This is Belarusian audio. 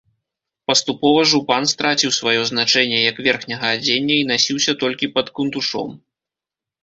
Паступова жупан страціў сваё значэнне як верхняга адзення і насіўся толькі пад кунтушом.